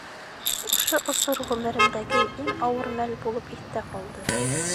Ошо осор ғүмеремдәге иң ауыр мәл булып иҫтә ҡалды.